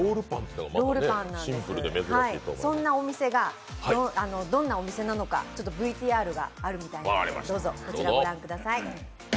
ロールパンなんです、そんなお店がどんなお店なのかＶＴＲがあるみたいなのでどうぞこちらご覧ください。